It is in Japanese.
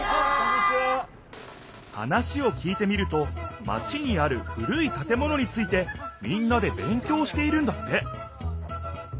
話を聞いてみるとマチにある古い建物についてみんなでべん強しているんだって